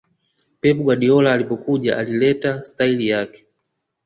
pep guardiola alipokuja alileta staili yake